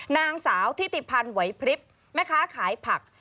นางสาวทิติพันธ์ไหวพริบแม่ค้าขายผัก